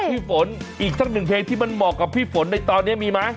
พี่ฝนอีกสักหนึ่งเพลงที่มันเหมาะกับพี่ฝนในตอนนี้มีไหม